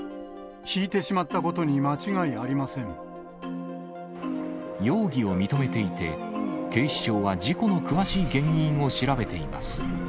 ひいてしまったことに間違いあり容疑を認めていて、警視庁は事故の詳しい原因を調べています。